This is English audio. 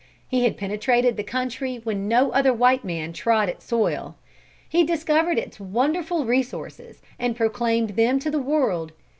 He had penetrated the country when no other white man trod its soil. He discovered its wonderful resources, and proclaimed them to the world.